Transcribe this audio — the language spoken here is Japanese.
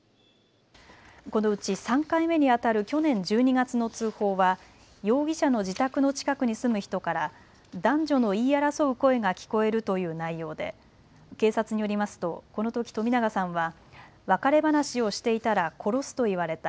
このうち３回目にあたる去年１２月の通報は容疑者の自宅の近くに住む人から男女の言い争う声が聞こえるという内容で警察によりますとこのとき冨永さんは別れ話をしていたら殺すと言われた。